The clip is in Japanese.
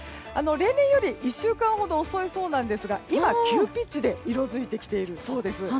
例年より１週間ほど遅いそうなんですが今、急ピッチで色づいてきているそうです。